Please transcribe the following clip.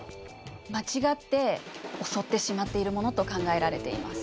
間違って襲ってしまっているものと考えられています。